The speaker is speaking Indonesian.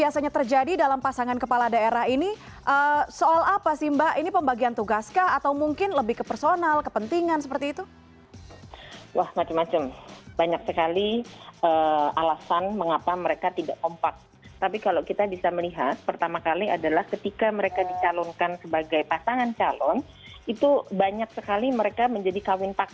saya memiliki pertanyaan yang menarik